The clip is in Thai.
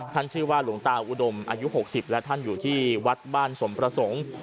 ชื่อว่าหลวงตาอุดมอายุ๖๐และท่านอยู่ที่วัดบ้านสมประสงค์